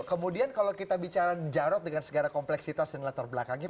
kemudian kalau kita bicara jarod dengan segala kompleksitas dan latar belakangnya